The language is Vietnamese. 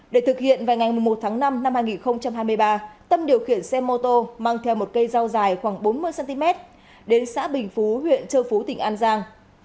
để thực hiện vào ngày một tháng năm năm hai nghìn hai mươi ba tâm điều khiển xe mô tô mang theo một cây dao dài khoảng bốn mươi cm đến xã bình phú huyện châu phú tỉnh an giang